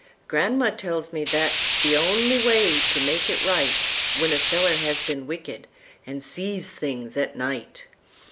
Gran'ma tells me that's the only way to make it rightWhen a feller has been wicked an' sees things at night!